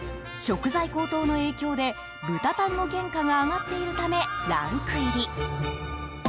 食材高騰の影響で豚タンの原価が上がっているため、ランク入り。